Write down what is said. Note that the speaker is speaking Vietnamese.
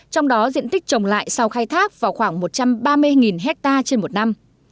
trong đó diện tích trồng lại sau khai thác vào khoảng một trăm ba mươi hectare trên một năm